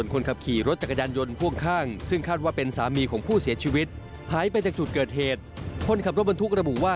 คนขับรถบรรทุกระบูว่า